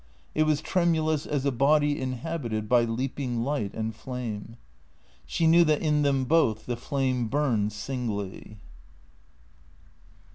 It was tremulous as a body inhabited by leap ing light and flame. She knew that in them both the tlame burned singly.